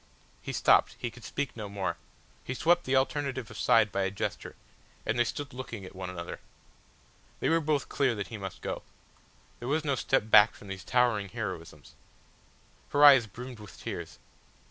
He stopped, he could speak no more, he swept the alternative aside by a gesture, and they stood looking at one another. They were both clear that he must go. There was no step back from these towering heroisms. Her eyes brimmed with tears.